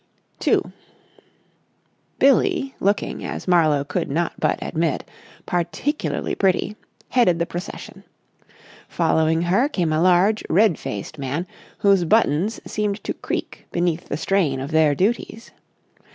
§ 2 Billie, looking, as Marlowe could not but admit, particularly pretty, headed the procession. Following her came a large red faced man whose buttons seemed to creak beneath the strain of their duties.